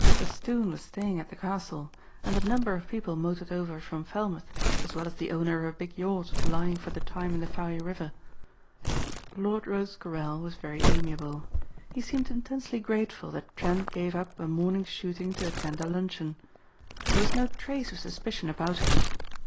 Castoon was staying at the castle and a number of people motored over from Falmouth as well as the owner of a big yacht lying for the time in the Fowey river. Lord Rosecarrel was very amiable. He seemed intensely grateful that Trent gave up a morning's shooting to attend a luncheon. There was no trace of suspicion about him.